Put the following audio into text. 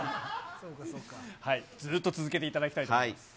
ずっと続けていただきたいと思います。